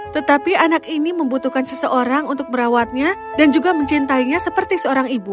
tetapi anak ini membutuhkan seseorang untuk merawatnya dan juga mencintainya seperti seorang ibu